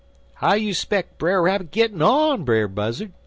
"'How you speck Brer Rabbit gittin' on, Brer Buzzard?'